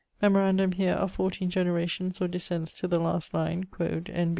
Memorandum here are 14 generations or descents to the last line: quod N.